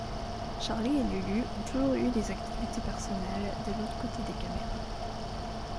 Charly et Lulu ont toujours eu des activités personnelles, de l'autre côté des caméras.